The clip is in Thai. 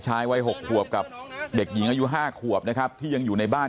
ชายวัย๖ขวบกับเด็กหญิงอายุ๕ขวบนะครับที่ยังอยู่ในบ้าน